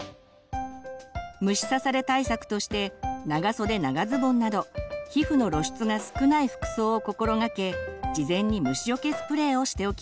虫刺され対策として長袖長ズボンなど皮膚の露出が少ない服装を心がけ事前に虫よけスプレーをしておきましょう。